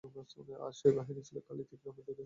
আর সে বাহিনী ছিল খালিদ ও ইকরামার দুর্ধর্ষ বাহিনী।